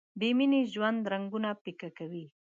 بې مینې ژوند رنګونه پیکه کوي.